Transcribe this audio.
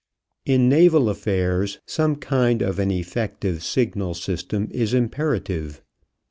In naval affairs some kind of an effective signal system is imperative.